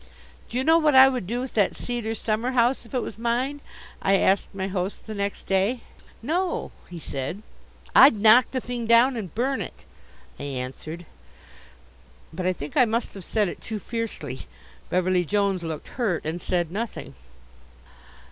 "Do you know what I would do with that cedar summer house if it was mine?" I asked my host the next day. "No," he said. "I'd knock the thing down and burn it," I answered. But I think I must have said it too fiercely. Beverly Jones looked hurt and said nothing.